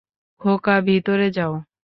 খোকা ভিতরে যাও।